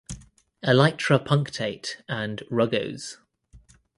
Elytra punctate and rugose.